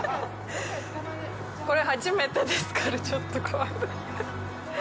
これ、初めてですから、ちょっと怖い。